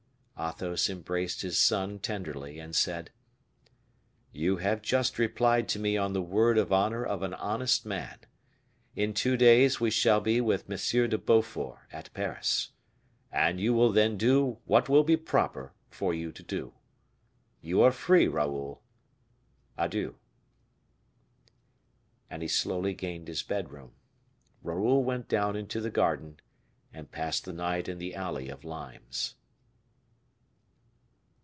Athos embraced his son tenderly, and said: "You have just replied to me on the word of honor of an honest man; in two days we shall be with M. de Beaufort at Paris, and you will then do what will be proper for you to do. You are free, Raoul; adieu." And he slowly gained his bedroom. Raoul went down into the garden, and passed the night in the alley of limes.